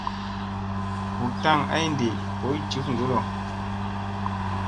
Hut tak ay nde boy jif ŋgolo.